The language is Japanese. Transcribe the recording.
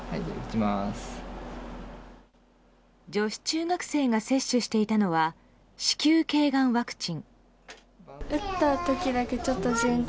女子中学生が接種していたのは子宮頸がんワクチン。